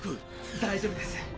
大丈夫です。